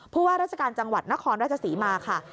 ว่าราชการจังหวัดนครราชศรีมาค่ะ